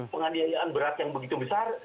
penganiayaan berat yang begitu besar